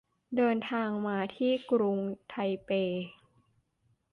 เดินทางมาที่กรุงไทเป